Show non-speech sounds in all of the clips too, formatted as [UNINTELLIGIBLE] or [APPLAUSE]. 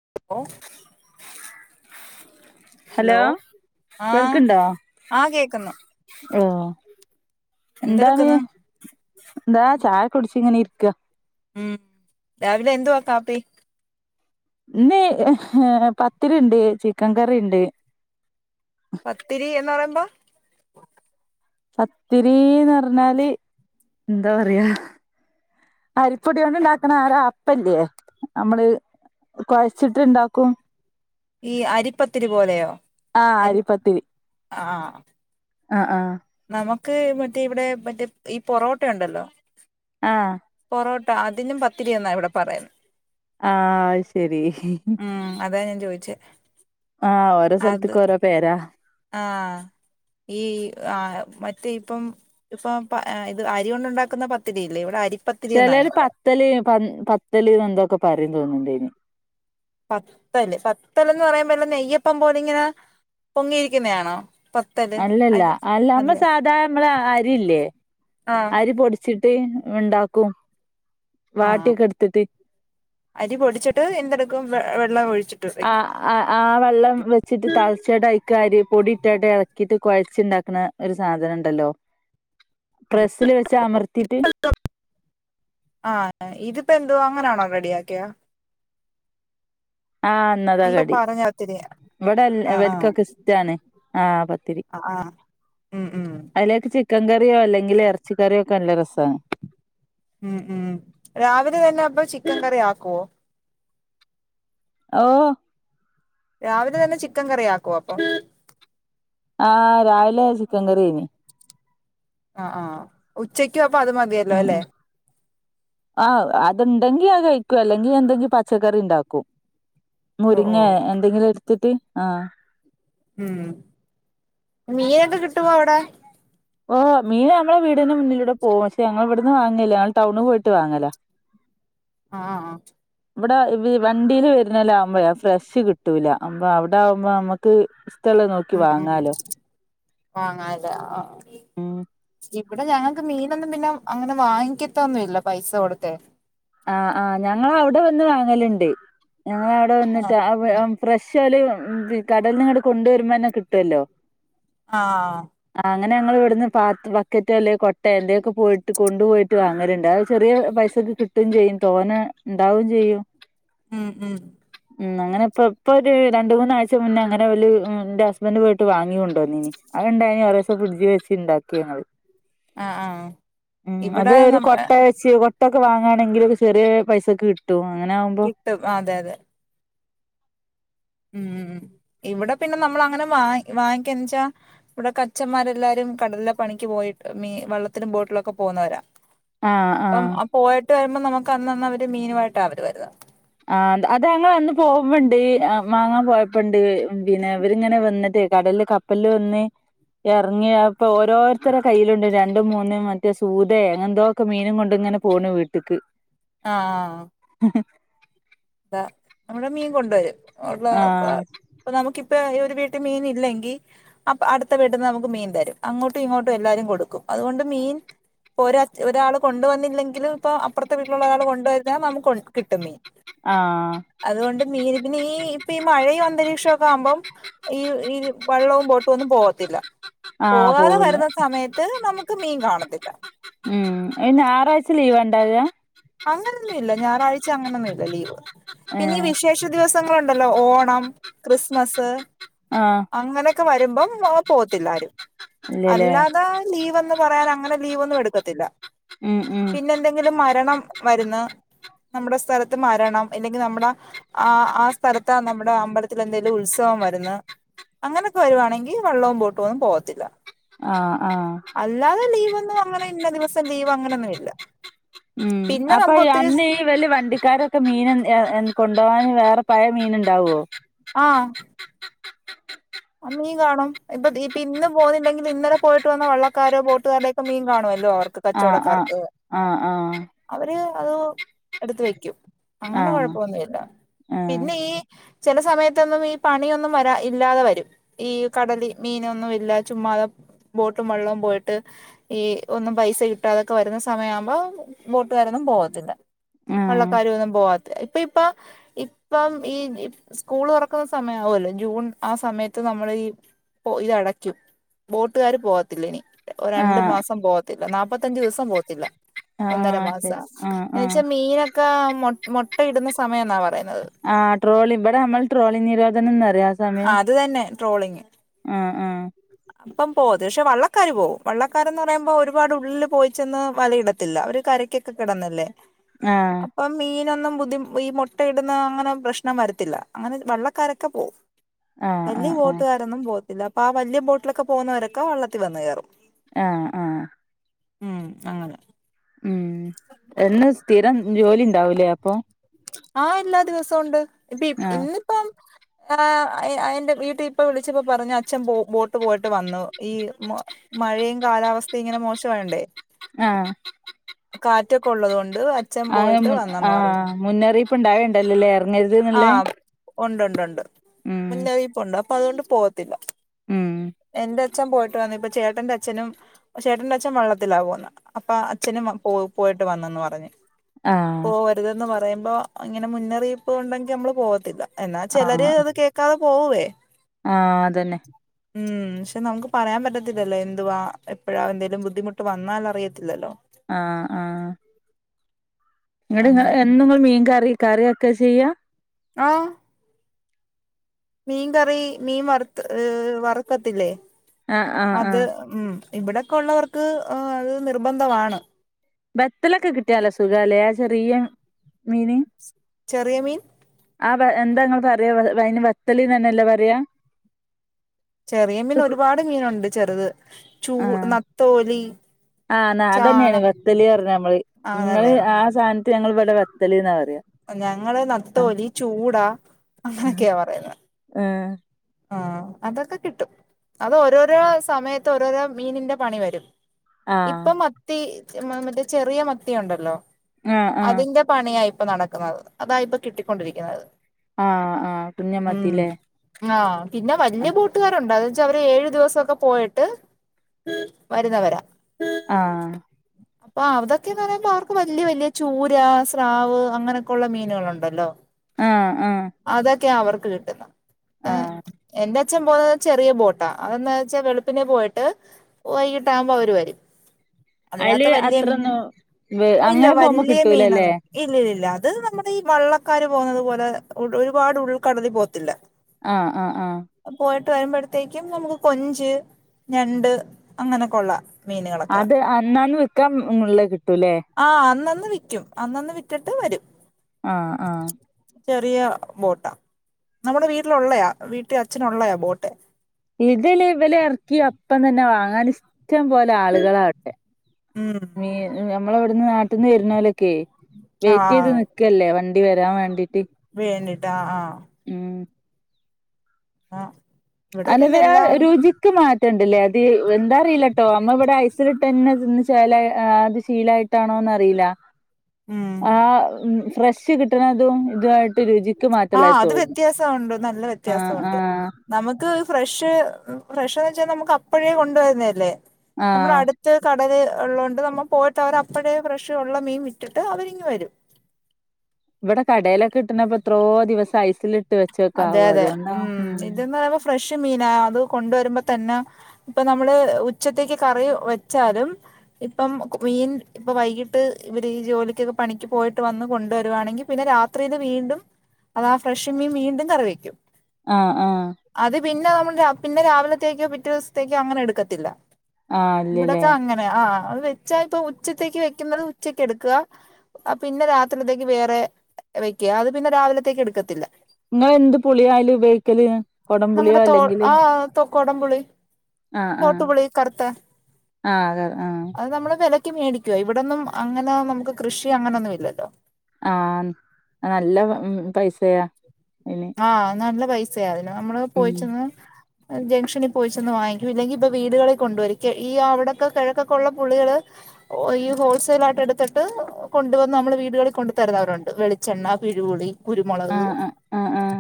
[UNINTELLIGIBLE] Hello ആഹ് കേൾക്കണ്ടോ ആഹ് കേക്കുന്നു ഓ എന്ത എന്തെടുക്കുന്നു എന്താ ചായ കുടിച്ച് ഇങ്ങനെ ഇരിക്ക ഉം രാവിലെ എന്തുവാ കാപ്പി ഇന്ന് പത്തിരി ഉണ്ട് ചിക്കൻ കറി ഉണ്ട് പത്തിരി എന്ന് പറയുമ്പോ പത്തിരിന്ന് പറഞ്ഞാല് എന്താ പറയാ അരിപ്പൊടിയ കൊണ്ട് ഉണ്ടാക്കുന്ന ഓര് അപ്പല്ലേ നമ്മള് കുഴച്ചിട്ട്ണ്ടാക്കും ഈ അരിപ്പത്തിരി പോലെയോ ആ അരി ആഹ ആഹ ആഹ നമുക്ക് മറ്റേ ഇവിടെ മറ്റേ ഈ പൊറോട്ട ഉണ്ടല്ലോ ആഹ പൊറോട്ട അതിനും പത്തിരി എന്നാ ഇവിടെ പറയുന്നേ ആഹ ശരി ഉം അതാ ഞാൻ ചോയ്ച്ചേ ആഹ് ഓരോ സ്ഥലത്ത്ക്ക് ഓരോ പേരാ ആഹ് ഈ ആ മറ്റേ ഇപ്പം ഇപ്പൊ പ ഏഹ് ഇത് അരി കൊണ്ട് ഉണ്ടാക്കുന്ന പത്തിരിയില്ലേ ഇവിടെ അരി ചെലര് പത്തല് പൻ പത്തല് ന്ന് എന്തോക്കെ പറയും തോന്നുന്നുണ്ടയ്ന് പത്തല് പത്തല്ന്ന് പറയുമ്പോല്ലേ നെയ്യപ്പം പോല ഇങ്ങനെ പൊങ്ങിയിരിക്കുന്നയാണോ അല്ലല്ല അല്ല നമ്മള് അല്ലേ സാദാ നമ്മളെ അരിയില്ലേ ആഹ് അരി പൊടി ച്ചിട്ട് ഉണ്ടാക്കും ആഹ് വാട്ടിയൊക്കെ എടുത്തിട്ട് അരി പൊടിച്ചിട്ട് എന്തെടുക്കും വ വെള്ളം ഒഴിച്ചിട്ട് വെക്കും അഹ് ആഹ് വെള്ളം വെച്ചിട്ട് തിളച്ചിട്ട് അയ്ക്ക് അരിപ്പൊടി ഇട്ടാണ്ട് ഇളക്കിയിട്ട് കൊഴച്ചിട്ട് ഉണ്ടാക്കണ് ഒരു സാധനം ഉണ്ടല്ലോ പ്രസ്സില് വെച്ച് അമർത്തീട്ട് ആന്നേ ഇതിപ്പോ എന്തുവാ അങ്ങനാണോ റെഡി ആക്കിയേ ആഹ് ഇന്നതാ ഇപ്പൊ കടി പറഞ്ഞത്തിരി ഇവിടെ ആഹ് ആഹ് ഇവർക്കൊക്കെ ഇഷ്ടാണ് ആഹ് പത്തിരി ആഹ് ആഹ് ഉം ഉം അയ്ലേക്ക് ചിക്കൻ കറിയോ അല്ലെങ്കിൽ ഇറച്ചി കറിയോ ഒക്കെ നല്ല രസാണ് ഉം ഉം രാവിലെ തന്നെ അപ്പൊ ചിക്കൻ കറി ആക്കുവോ ഓഹ് രാവിലെ തന്നെ ചിക്കൻ കറി ആക്കോ അപ്പം ആഹ് രാവിലെ ചിക്കൻ കറിയേനി ആഹ് ആഹ് ഉച്ചയ്ക്കും അപ്പൊ അത് മതിയല്ലോ അല്ലേ ആഹ് അത്ണ്ടെങ്കി അത് കഴിക്കും അല്ലെങ്കി എന്തെങ്കി പച്ചക്കറി ഉണ്ടാക്കും ഓഹ് മുരിങ്ങേ ഓഹ് എന്തെങ്കിലും എടുത്തിട്ട് ആഹ് ഉം മീനൊക്കെ കിട്ടുവോ അവിടെ ഓഹ് മീൻ നമ്മളെ വീടിന് മുന്നിലൂടെ പോവും പക്ഷെ ഞങ്ങൾ ഇവിടുന്ന് വാങ്ങലില്ല ഞങ്ങൾ ടൗണ് പോയിട്ട് വാങ്ങലാ ആഹ് ആഹ് ഇവിടെ ഈ വണ്ടീല് വര്നോലാവുമ്പെ ആ ഫ്രഷ് കിട്ടൂല അപ്പ അവടെ ആവുമ്പോ നമ്മക്ക് ഉം വാങ്ങാലോ ഉം ഇവിടെ ഞങ്ങക്ക് മീനൊന്നും പിന്നെ അങ്ങനെ വാങ്ങിക്കത്തൊന്നും ഇല്ല പൈസ കൊടുത്തെയ് ആഹ് ആഹ് ഞങ്ങള് അവിടെ വന്ന് വാങ്ങല്ണ്ടയ് ഞങ്ങളവിടെ വന്നിട്ട് ആഹ് ആ ഫ്രഷ് ഓല് ഉം വ് കടൽന്ന് ഇങ്ങട്ട് കൊണ്ടുവരുമ്പോ തന്നെ കിട്ടുവല്ലോ. ആഹ് ആ അങ്ങനെ ഞങ്ങൾ ഇവിടുന്ന് പാത് ബക്കറ്റോ അല്ലെ കൊട്ടേ എന്തേലൊക്കെ പോയിട്ട് കൊണ്ടു പോയിട്ട് വാങ്ങല്ണ്ട്. ചെറിയ പൈസക്ക് കിട്ടും ചെയ്യും തോനെ ഉണ്ടാവും ചെയ്യും. ഉം ഉം ഉം അങ്ങനെ ഇപ്പ ഇപ്പൊര് രണ്ട് മൂന്നാഴ്ച മുന്നേ അങ്ങനെ ഓല് ഇന്റെ ഹസ്ബൻറ് പോയിട്ട് വാങ്ങിക്കൊണ്ടു വന്നീന്. അത്ണ്ടായാ കൊറേ ദിവസം ഫ്രിഡ്ജിൽ വെച്ച്ണ്ടാക്കി ഞങ്ങള്. ആഹ് ആഹ് ഉം അത് ഇവിടെ ഒരു നമ്മ കൊട്ട വെച്ച് കൊ ട്ടയൊക്കെ വാങ്ങാങ്കിൽ ചെറിയ പൈസക്ക് കിട്ടും. അങ്ങനെ ആവുമ്പൊ കിട്ടും അതെ അതെ ഉം ഇവിടെ പിന്നെ നമ്മൾ അങ്ങനെ വാങ് വാങ്ങിക്കാണ്ച്ചാ. ഇവിടെക്കെ അച്ഛൻമാരെല്ലാരും കടലിലെ പണിക്ക് പോയിട്ട് മീ വെള്ളത്തിനും ബോട്ടിലൊക്കെ പോകുന്നവരാ. ആഹ് അപ്പം ആഹ് ആ പോയിട്ട് വരുമ്പം നമുക്ക് അന്നന്ന് അവര് മീനുമായിട്ടാ അവര് വരുവാ ആഹ് അതാ ഞങ്ങൾ അന്ന് പോവുമ്പണ്ട് വാങ്ങാൻ പോയപ്പണ്ട് പിന്നെ ഇവരിങ്ങനെ വന്നിട്ട് കടലില് കപ്പലില് വന്ന് ഇറങ്ങിയ അപ്പൊ ഓരോരുത്തരുടെ കയ്യിലുണ്ട് രണ്ടും മൂന്ന് മറ്റേ സൂതയൊ അങ്ങെനെന്തോ ഒക്കെ മീനും കൊണ്ട് ഇങ്ങനെ പോകണ് വീട്ടിക്ക് ആഹ് [INAUDIBLE] ആഹ് നമ്മള് മീൻ കൊണ്ട് വരും ആഹ് [UNINTELLIGIBLE] അപ്പൊ നമുക്കിപ്പ ഈ ഒരു വീട്ടിൽ മീൻ ഇല്ലെങ്കിൽ അപ്പൊ അടുത്ത വീട്ടീന്ന് നമുക്ക് മീൻ തരും അങ്ങോട്ടും ഇങ്ങോട്ടും എല്ലാരും കൊടുക്കും അതുകൊണ്ട് മീൻ ഇപ്പൊ ഒരാ ഒരാൾ കൊണ്ടുവന്നില്ലെങ്കിലും ഇപ്പൊ അപ്പുറത്തെ വീട്ടിലുള്ള ഒരാൾ കൊണ്ടുവരുന്ന നമുക്കും കിട്ടും മീൻ ആഹ് അതുകൊണ്ട് മീൻ പിന്നെ ഈ ഇപ്പം ഈ മഴയും അന്തരീക്ഷവൊക്കെ ആവുമ്പം ഈ ഈ വള്ളവും ബോട്ടും ഒന്നും പോവത്തില്ല ആഹ് പോകാതെ പോവൂല വരുന്ന സമയത്ത് നമുക്ക് മീൻ കാണത്തില്ല. ഉം ഇ ഞായറാഴ്ച ലീവാ ഉണ്ടാവുവാ അങ്ങനെയൊന്നും ഇല്ല ഞായറാഴ്ച അങ്ങനൊന്നും ഇല്ല ലീവ് പിന്നെ ഈ വിശേഷ ദിവസങ്ങളുണ്ടല്ലോ ഓണം ക്രിസ്മസ് ആഹ് അങ്ങനെയൊക്കെ വരുമ്പം പോത്തില്ല ആരും ഇല്ലല്ലേ അല്ലാതെ ലീവ് എന്ന് പറയാൻ അങ്ങനെ ലീവ് ഒന്നും എടുക്കത്തില്ല ഉം ഉം പിന്നെ എന്തെങ്കിലും മരണം വരുന്ന് നമ്മുടെ സ്ഥലത്ത് മരണം ഇല്ലെങ്കിൽ നമ്മുടെ ആഹ് ആഹ് സ്ഥലത്താ നമ്മുടെ അമ്പലത്തിൽ എന്തേലും ഉത്സവം വരുന്ന് അങ്ങനെയൊക്കെ വരുവാണെങ്കിൽ വെള്ളവും ബോട്ടുവൊന്നും പോകത്തില്ല ആഹ് ആഹ് അല്ലാതെ ലീവൊന്നും അങ്ങനെ ഇന്ന ദിവസം ലീവ് അങ്ങനൊന്നും ഇല്ല ഉം പിന്നെ അപ്പൊ നമുക്ക് ഒത്തിരി അന്ന് വലിയ വണ്ടിക്കാരൊക്കെ മീൻ കൊണ്ട് പോവാൻ വേറെ പഴയ മീൻ ഉണ്ടാവുവോ ആഹ് ആഹ് മീൻ കാണും ഇപ്പൊ ഇപ്പൊ ഇന്ന് പോന്നില്ലെങ്കിൽ ഇന്നലെ പോയിട്ട് വന്ന വള്ളക്കാരോ ബോട്ടുകാരുടെയൊക്കെ മീൻ കാണുവല്ലോ മൊത്ത ആഹ് ആഹ് കച്ചവടക്കാർക്ക്. ആഹ് അവര് അത് എടുത്ത് വെക്കും അങ്ങനെ ആഹ് കൊഴപ്പവൊന്നുവില്ല ആഹ് പിന്നെ ഈ ചില സമയത്തൊന്നും ഈ പണിയൊന്നും വരാ ഇല്ലാതെ വരും ഈ കടലിൽ മീനൊന്നും ഇല്ല ചുമ്മാതെ ബോട്ടും വള്ളവും പോയിട്ട് ഈ ഒന്നും പൈസ കിട്ടാതൊക്കെ വരുന്ന സമയ ആവുമ്പോ ബോട്ടുകാരൊന്നും പോകത്തില്ല ആഹ് വള്ളക്കാരും ഒന്നും പോവാ ഇപ്പ ഇപ്പ ഇപ്പം ഈ സ്കൂള് തുറക്കുന്ന സമയാവുല്ലോ ജൂൺ ആ സമയ ത്ത് നമ്മള് ഈ പോ ഇതടയ്ക്കും ബോട്ടുകാര് പോകത്തില്ലെ ഇനി രണ്ടു ആഹ് മാസം പോ ത്തില്ല നാൽപത്തഞ്ചു ദിവസം പോകത്തില്ല ആഹ് ഒന്നര ആഹ് ശരി മാസം ആഹ് എന്ന് ആഹ് വെച്ചാ മീനൊ ക്കെ മൊ മൊട്ടയിടുന്ന സമയം എന്നാ പറയുന്നത് ആഹ് ട്രോളി ഇവിടെ നമ്മൾ ട്രോളി നിരോധനം എന്ന് പറയും ആ സമയം ട്രോളിംഗ് ആഹ് ആഹ് ആഹ് ഇപ്പം പോകുവത് പക്ഷെ വള്ളക്കാര് പോകും വള്ളക്കാരെന്ന് പറയുമ്പോൾ ഒരുപാട് ഉള്ളിൽ പോയി ചെന്ന് വലയിടത്തില്ല അവര് കര ക്കൊക്കെ കിടന്നല്ലേ ആഹ് അപ്പൊ മീനൊന്നും ബുദ്ധിം ഈ മുട്ട ഇടുന്ന അങ്ങനെ പ്രശ്നം വരത്തില്ല അങ്ങനെ വള്ളക്കാരൊക്കെ പോവും ആഹ് വല്യ ആഹ് ആഹ് ബോട്ടുകാരൊന്നും പോകത്തില്ല അപ്പൊ ആഹ് വല്യ ബോട്ടിലൊക്കെ പോവുന്നവരൊക്കെ വള്ളത്തിൽ വന്ന്കയറും ഏഹ് ആഹ് ഉം അങ്ങനെ ഉം എന്നും സ്ഥിരം ജോലി ഇണ്ടാവുംലെ അപ്പൊ ആഹ് എല്ലാ ദിവസം ഉണ്ട് ഇപ്പി ആഹ് ഇന്ന് ഇപ്പം ആഹ് അയി അ എന്റെ വീട്ടി ഇപ്പൊ വിളിച്ചപ്പൊ പറഞ്ഞു അച്ഛൻ ബോ ബോട്ട് പോയിട്ട് വന്നു ഈ മൊ മഴയും കാലാവസ്ഥയും ഇങ്ങനെ മോശവായോണ്ടേ ആഹ് കാറ്റൊക്കെ ഉള്ളത് കൊണ്ട് അച്ഛൻ ആഹ് പോയിട്ട് മുൻ വന്നന്ന് പറഞ്ഞു ആഹ് മുന്നറിയിപ്പ് ഇണ്ടായി ഇണ്ടല്ലൊല്ലേ എറങ്ങരുത് ന്ന്ള്ളത് ഒണ്ട് ഉണ്ട് ഉണ്ട് ഉണ്ട് മുന്നറിയിപ്പുണ്ട് അപ്പൊ അതുകൊണ്ട് പോകത്തില്ല ഉം എന്റെ അച്ഛൻ പോയിട്ട് വന്നു ഇപ്പ ചേട്ടന്റെ അച് ച്ഛനും ചേട്ടന്റെ അച്ഛൻ വള്ളത്തിലാ പോവുന്നത് അപ്പൊ അച്ഛനും വ പോ പോയിട്ട് വന്നന്ന് പറഞ്ഞ് ആഹ് പോവരുതെന്ന് പറയുമ്പോ ഇങ്ങനെ മുന്നറിയിപ്പ് ഉണ്ടെങ്കി അമ്മള് പോവത്തില്ല എന്നാ ചെലര് ആഹ് അത് കേക്കാതെ പോകുവേ ആഹ് അതന്നെ ഉം പക്ഷെ നമുക്ക് പറയാൻ പറ്റത്തില്ലല്ലോ എന്തുവാ എപ്പഴാ എന്തേലും ബുദ്ധിമുട്ട് വന്നാൽ അറിയത്തില്ലല്ലോ ആഹ് ആഹ് ഇങ്ങട് ഇങ്ങള് അങ്ങനെ എന്നും ഇങ്ങള് മീൻ കറി കറിയാക്കാ ചെയ്യാ ആഹ് മീൻ കറി മീൻ വറത്ത് ഹ് വറ്ക്കത്തില്ലേ ആഹ് ആഹ് അത് ആഹ് ഉം ഇവിടൊക്കെ ഉള്ളവർക്ക് അത് നിർബന്ധമാണ് ബത്തലൊക്കെ കിട്ടിയാ നല്ല സുഖാല്ലേ ആ ചെറിയ മീന് ചെറിയമീൻ ആഹ് വാ എന്താ ഇങ്ങള് പറ്യാ വ വയിന് വത്തല്നെന്നെല്ലെ പറയാ ചെറിയ മീൻ ഒരുപാട് മീനുണ്ട് ചെറ്ത് ചൂ ആഹ് നത്തോലി ആഹ് ഇന്നാ ചാള അതെന്നേണ് വത്തല് പറണ് അമ്മള് ഇങ്ങള് ആണല്ലേ ആ സാൻത്തിന് ഞങ്ങള് ഇവടെ വത്തല്ന്നാ പറയാ ഞങ്ങള് നത്തോലി ചൂടാ അങ്ങനെയെക്കെയാ പറയുന്നത് ഏഹ് ആഹ് അതൊക്കെ കിട്ടും അത് ഓരോരോ സമയത്ത് ഓരോരോ മീനിന്റെ പണി വെരും ആഹ് ഇപ്പൊ മത്തി മ മറ്റേ ചെറിയ മത്തിയുണ്ടല്ലോ ആഹ് ആഹ് അതിന്റെ പണിയാ ഇപ്പൊ നടക്കുന്നത് അതായിപ്പൊ കിട്ടിക്കൊണ്ടിരിക്കുന്നത് ആഹ് ആഹ് കുഞ്ഞം ഉം മത്തിലേ ആഹ് പിന്നെ വല്യ ബോട്ടുകാരുണ്ട് അത് വെച്ചാ അവര് ഏഴ് ദിവസൊക്കെ പോയിട്ട് വരുന്നത് വെരാ ആഹ് [UNINTELLIGIBLE] അപ്പൊ അതൊക്കേന്ന് പറയുമ്പൊ ആഹ് അതൊക്കേന്ന് പർഞ്ഞ ഇതാർക്കും വല്യ വല്യ ചൂര സ്രാവ് അങ്ങനെക്കൊള്ള മീന്കള് ഇണ്ടല്ലോ ആഹ് ആഹ് അതൊക്കെയാ അവർക്ക് കിട്ടുന്നത് ആഹ് എന്റെ അച്ഛൻ പോകുന്നത് ചെറിയ ബോട്ടാ അതെന്നാ വെച്ചാ വെളുപ്പിന് പോയിട്ട് പോയീട്ടാവുമ്പൊ അവര് വരും അയില് അതിനകത്ത് വല്യ അത്രൊന്നും വെ [UNINTELLIGIBLE] ഇല്ല അങ്ങനെ പോകുമ്പോ വല്യ കിട്ടൂലല്ലേ മീനൊന്നും കിട്ടി ഇല്ല ഇല്ലില്ല അത് നമ്മുടെ ഈ വള്ളക്കാര് പോകുന്നതു പോലെ ഒരുപാട് ഉൾക്കടലിൽ പോകത്തില്ലെ. ആഹ് ആഹ് ആഹ്. പോയിട്ട് വരുമ്പോഴ്ത്തേക്കും നമുക്ക് കൊഞ്ച്, ഞണ്ട്, അങ്ങനൊക്കൊള്ള. അത് അന്നാന്ന് വിക്കാൻ മുള്ളെ കിട്ടൂല്ലേ. ആ അന്നന്ന് വിക്കും, അന്നന്ന് വിറ്റിട്ട് വരും. ആഹ് ആഹ് ചെറിയ ബോട്ടാ നമ്മുടെ വീട്ടിലുള്ളെയാ. വീട്ടിഅച്ഛനുള്ളയാ ബോട്ട്. ഇതല് ഇവലർക്കിയ അപ്പം തന്നെ വാങ്ങാം ഇഷ്ടം പോലെ. ആളുകളാവട്ടെ ഉം മീ നമ്മളവിട്ന്ന് നാട്ട്ന്ന് വരുന്നോലൊക്കെ വെയ്റ്റെയ്ത് ആഹ് നിക്കല്ലേ വണ്ടി വരാൻ വേണ്ടീട്ട്. വേണ്ടിട്ട് ആഹ് ആഹ് ഉം അഹ്. ഹല്വെവ ആരുചി. മാറ്റണ്ട്ലേ അത് എന്താറിയില്ലട്ടോ നമ്മവ്ടെ ഐസ്ല്ല്ട്ടതന്നെ തിന്ന് ചേലായാ ശീലായ്ട്ട്. ആണോന്നറീല. ഉം ആഹ് ഫ്രഷ് കിട്ട്ണതും ഇതുവായ്ട്ട് രുചി. ആഹ് അത് വ്യത്യാസുംണ്ട് നല്ല ആഹ് വ്യത്യാസുംണ്ട് ആഹ് നമക്ക് ഫ്രഷ് ഫ്രഷ്ന്ന് വെച്ചാ നമുക്ക് അപ്പഴേ കൊണ്ടുവര്ന്നതല്ലേ നമ്മൾ ആഹ് അടു ത് കടല്ഉള്ളതോണ്ട് നമ്മ പോയിട്ട് അവർ അപ്പഴേ ഫ്രഷ്ള്ള മീൻ ഇട്ടിട്ട് അവരിങ്ങ് വരും. ഇവടെ കടേലൊക്കെകിട്ട്ണ്പ്പൊ എത്രോ ദിവസം ഐസില്. അതെതെ ഉം ഇതന്ന് പറയുമ്പോ ഫ്രഷ് മീനാ അത് കൊണ്ട് വരുമ്പോ തന്നെ. ഇപ്പൊ നമ്മള് ഉച്ചത്തേക്ക് കറി വെച്ചാലും ഇപ്പം മീൻ. ഇപ്പൊ വൈകിട്ട് ഇവര് ഈ ജോലിക്കൊക്കെ പണിക്ക് പോയിട്ട് വന്ന് കൊണ്ടുവരിവാണെങ്കിൽ പിന്നെ രാത്രില് വീണ്ടും. അതാ ഫ്രഷ് മീൻ വീണ്ടും കറിവെക്കും. ആഹ് ആഹ് അത് പിന്നെ നമ്മൾ പിന്നെ രാവിലത്തേക്കോ പിറ്റേ ദിവസത്തേക്കോ അങ്ങനെ എടുക്കത്തില്ല. ആഹ് ഇല്ലല്ലേ ഇവിടൊക്കെങ്ങനെ ആ അത് വെച്ചാ ഇപ്പൊ ഉച്ചത്തേക്ക് വെക്കുന്നത് ഉച്ചക്ക് എടുക്ക. ആ പിന്നെ രാത്രിത്തേക്ക് വേറെ വയ്ക്ക്യ അത് പിന്നെ രാവിലത്തേക്ക് എടുക്കത്തില്ല. ഇങ്ങള് എന്ത് പുളിയാഅയ്ല് ഉപയോഗിക്കല്? കൊടംപുളിയോ നമ്മുടെ തോ അല്ലെങ്കില് ആഹ് തൊ ക്കൊടംപുളി. ആഹ് ആഹ് തോട്ട്പുളി കർത്തെ, ആഹ് അതെ ആഹ് അത് നമ്മള് വെല മേടിക്കുവാ ഇവിടൊന്നും അങ്ങനെ നമക്ക് കൃഷി അങ്ങനൊന്നും ഇല്ലല്ലോ. ആഹ് നല്ല പൈസയാ അഇന്. ആഹ് നല്ല പൈസയാതിന്, നമ്മള് പോയിട്ടന്ന്. ജംഗ്ഷനിൽ പോയിച്ചൊന്ന് വാങ്ങിക്കും ഇല്ലെങ്കി ഇപ്പൊ വീടുകളിൽ കൊണ്ടുവരും ഈ അവിടൊക്കെ കിഴക്കൊക്കുള്ള പുളികള്. ഓ ഈ ഹോൾസെയിലായിട്ട് എടുത്തിട്ട് കൊണ്ട് വന്ന് നമ്മളെ വീടുകളിൽ കൊണ്ടു തരുന്നവരുണ്ട്, വെളിച്ചെണ്ണ, പിഴപുളി. കുരുമുളക്. ആഹ് ആഹ് ആഹ് ആഹ്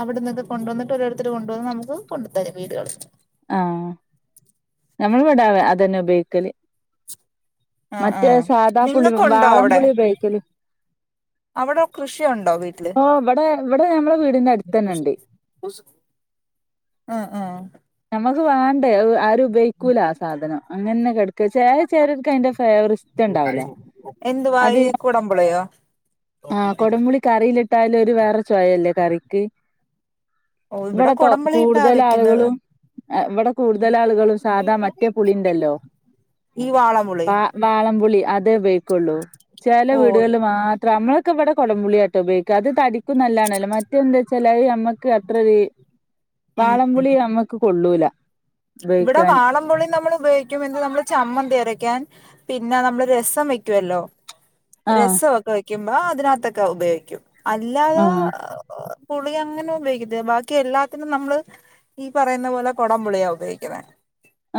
അവിടെന്നൊക്കെ കൊണ്ടുവന്നിട്ട് ഓരോരുത്തർ കൊണ്ടുവന്ന് നമുക്ക് കൊണ്ട് തരും വീടുകളിൽ. ആഹ് നമ്മള് വടെ അതന്നെ ഉപയോഗിക്കല്. ആഹ് മറ്റേ ആഹ് സാദാ പുളി നിങ്ങക്കുണ്ടോ വാളം പുളി ഉപയോഗിക്കല് അവിടം കൃഷിയുണ്ടോ വീട്ട് ഓ ഇവിടെ ഇവിടെ ഞമ്മളെ വീടിന്റെ അടുത്തന്നെണ്ട്. ആഹ് ആഹ് ഞമ്മക്ക് വേണ്ടേ അത് ആരും ഉപയോഗിക്കൂല ആ സാധനം അങ്ങനന്നെ കെടക്കാ ചെലേ ചെലോര്ക്ക് അതിൻ്റെ ഫ്ലേവർ ഇഷ്ടണ്ടാവുല അത് കുടം പുളിയോ ആഹ് കൊടംമ്പുളി കറിയിലിട്ടാലും ഒരു വേറെ ചൊയല്ലേ കറിക്ക് ഓ ഇവിടെ ഇവടെ തൊ കൊടംപുളിയിട്ടാ കൂടുതൽ വെക്കുന്നത് ആളുകളും ഇവിടെ കൂടുതൽ ആളുകളും സാധാ മറ്റേ പുളിയുണ്ടല്ലോ ഈ വാളംപുളി വാളംപുളി അതേ ഉപയോഗിക്കൊള്ളൂ ചില ഓ വീടുകളിൽ മാ അമ്മളൊക്കെ ഇവിടെ കുടംപുളിയാട്ടോ ഉപയോഗിക്ക അത് തടിക്കും നല്ലാണല്ലോ മറ്റെത് എന്താച്ചാലത് ഞമ്മക്ക് അത്രര് ഉം ഉം വാളംപുളി നമ്മക്ക് കൊള്ളൂല. ഇവിടെ ഉപയോഗിക്കാന് വാളം പുളി നമ്മള് ഉപയോഗിക്കുമെന്ന് നമ്മള് ചമ്മന്തി അരയ്ക്കാൻ പിന്നെ നമ്മള് രസം വെക്കുവല്ലോ ആഹ് രസംവൊക്കെ വെക്കുമ്പോ അതിനകത്തൊക്കെ ഉപയോഗിക്കും അല്ലാതെ ആഹ് പുളി അങ്ങനെ ഉപയോഗിക്കതില്ല ബാക്കി എല്ലാത്തിനും നമ്മള് ഈ പറയുന്ന പോലെ കുടംപുളിയാ ഉപയോഗിക്കുന്നേ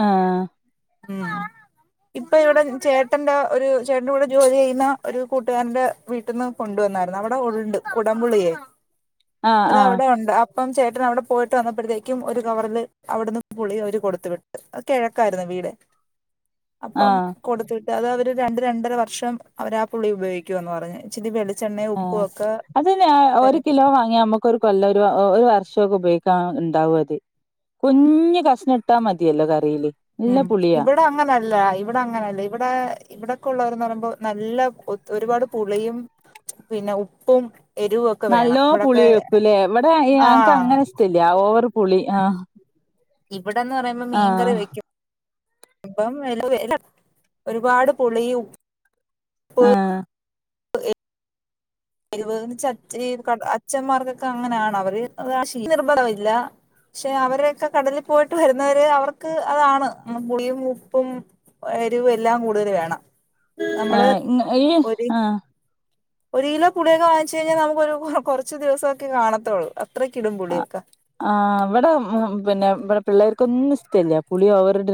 ആഹ് ഉം ഇപ്പൊ ഇവിടെ ചേട്ടന്റെ ഒരു ചേട്ടന്റെ കൂടെ ജോലി ചെയ്യുന്ന ഒരു കൂട്ടുകാരന്റെ വീട്ടിന്ന് കൊണ്ടുവന്നായിരുന്നു അവിടെ ഉണ്ട് കുടം പുളിയെ ആഹ് അത് ആഹ് അവിടെ ഉണ്ട് അപ്പം ചേട്ടൻ അവിടെ പോയിട്ട് വന്നപ്പഴ്ത്തേക്കും ഒരു കവറില് അവിടുന്ന് പുളി അവര് കൊടുത്ത് വിട്ട് അത്‌ കിഴക്കായിരുന്നു വീട് അപ്പം ആഹ് കൊടുത്ത് വിട്ട് അത് അവര് രണ്ട് രണ്ടര വർഷം അവരാ ആ പുളി ഉപയോഗിക്കാന്ന് പറഞ്ഞ് ചിരി വെളി ആഹ് അത് ഒരു കിലോ വാങ്ങ്യാമു ക്കൊരു കൊല്ലം ഒരു ഒരു വർഷക്കെ ഉപയോഗിക്കാന്ന് ഇണ്ടാവും അത്. കുഞ്ഞ് കഷ്ണം ഇട്ടാ മതിയല്ലോ കറിയില്. നല്ല ഉം പുളിയാ ഇവിടെ അങ്ങനല്ല ഇവിടെ അങ്ങനല്ല ഇവിടെ ഇവിടെക്കെ ഉള്ളവര്ന്ന് പറയുമ്പോ നല്ല ഒത് ഒരുപാട് പുളിയും പിന്നെ ഉപ്പും എരിവും ഒക്കെ വേണം നല്ലോ ഇവിടൊക്കെ പുളി വെക്കുല്ലേ ഇവടെ എഹ് അനക്ക് ആഹ് അങ്ങനെ ഇഷടല്ല ഓവർ പുളി ആ ഇവിടെന്ന് പറയുമ്പോ മീൻകറി വെക്കും. ഇപ്പം [UNINTELLIGIBLE] ഒരുപാട് പുളിയും ആഹ് [UNINTELLIGIBLE] അച്ഛന്മാർക്കൊക്കെ അങ്ങനെയാണ് അവര് അത് ആ ശീലം നിർബന്ദമില്ല. പക്ഷെ അവരൊക്കെ കടലിൽ പോയിട്ട് വരുന്നവരെ അവർക്ക് അതാണ് പുളിയും ഉപ്പും ഒ എരിവ് എല്ലാം കൂടുതൽ വേണം. നമ്മള് ഏഹ് ഇങ്ങ ഇയ്യ് ഒരു ആഹ് ഒരു കിലോ പുളിയൊക്കെ വാങ്ങിച്ചു കഴിഞ്ഞ നമുക്കൊരു കുറച്ച് ദിവസക്കെ കാണത്തുള്ളൂ അത്രകിടും പുളിയൊക്കെ. ആഹ് ഇവടെ പിന്നെ ഇവടെ പിള്ളേർക്ക് ഒന്നും ഇഷ്ടല്ല പുളിയോവർട്